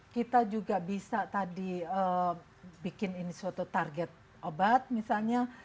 kita juga bisa tadi bikin ini suatu target obat misalnya